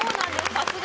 さすが。